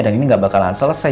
dan ini gak bakalan selesai